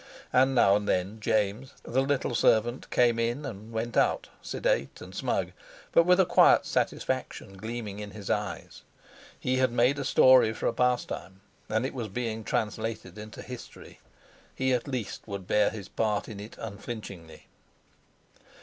And now and then James, the little servant, came in and went out, sedate and smug, but with a quiet satisfaction gleaming in his eyes. He had made a story for a pastime, and it was being translated into history. He at least would bear his part in it unflinchingly.